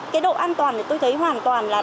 cái độ an toàn tôi thấy hoàn toàn